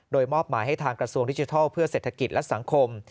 โดยมอบหมายให้ทางกระทรวงดิจิทัลเพื่อเศรษฐกิจและสังคม